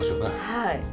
はい。